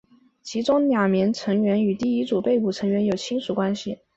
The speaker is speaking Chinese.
其中两名成员与第一组被捕成员有亲属关系。